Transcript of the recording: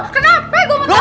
kenapa gue mau tau